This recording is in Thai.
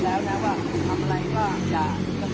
ตอนนี้กำหนังไปคุยของผู้สาวว่ามีคนละตบ